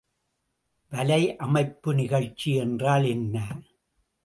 வலையமைப்பு நிகழ்ச்சி என்றால் என்ன?